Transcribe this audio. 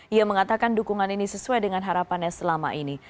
ia mengatakan dukungan ini sesuai dengan harapannya selama ini